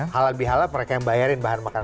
halal bihala mereka yang bayarin bahan makanan